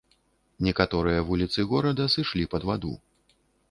Некаторыя вуліцы горада сышлі пад ваду.